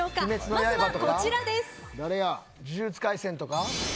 まずは、こちらです。